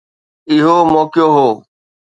اهو موقعو هو.